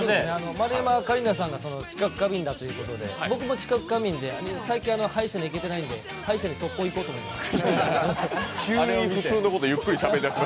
丸山桂里奈さんが知覚過敏だということで僕も知覚過敏で最近歯医者に行けてないんで歯医者に速攻、行こうと思います。